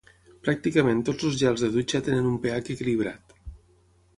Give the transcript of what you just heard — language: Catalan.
Pràcticament tots els gels de dutxa tenen un pH equilibrat.